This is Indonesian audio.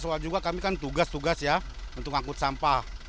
soal juga kami kan tugas tugas ya untuk ngangkut sampah